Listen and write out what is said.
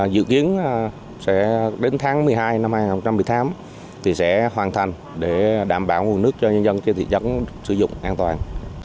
dự kiến sẽ đến tháng một mươi hai năm hai nghìn một mươi tám sẽ hoàn thành để đảm bảo nguồn nước cho nhân dân trên thị trấn sử dụng an toàn